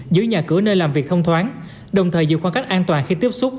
giữ nhà cửa nơi làm việc thông thoáng đồng thời giữ khoảng cách an toàn khi tiếp xúc